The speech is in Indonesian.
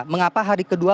mengapa hari kedua